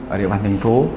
ở địa bàn thành phố